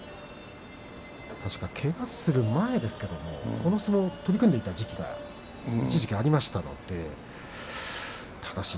確か、けがする前ですけれどもこういう相撲に取り組んでいた時期が一時期ありましたのでただし